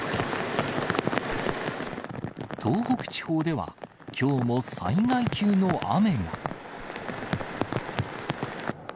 東北地方では、きょうも災害級の雨が。